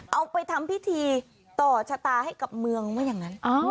เอาไปทำพิธีต่อชะตาให้กับเมืองว่าอย่างนั้น